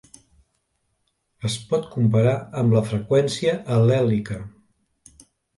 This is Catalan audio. Es pot comparar amb la freqüència al·lèlica.